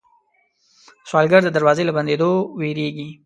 سوالګر د دروازې له بندېدو وېرېږي